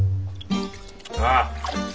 ああ。